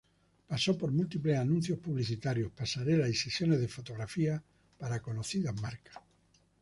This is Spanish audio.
Pasó por múltiples anuncios publicitarios, pasarelas y sesiones de fotografía para conocidas marcas.